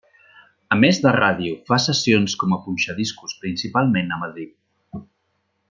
A més de ràdio, fa sessions com a punxadiscos, principalment a Madrid.